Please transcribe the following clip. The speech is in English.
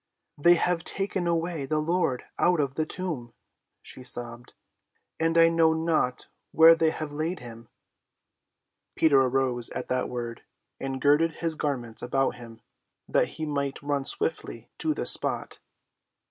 "They have taken away the Lord out of the tomb," she sobbed, "and I know not where they have laid him." Peter arose at that word and girded his garments about him that he might run swiftly to the spot.